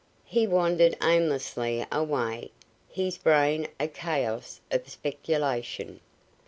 He wandered aimlessly away, his brain a chaos of speculation.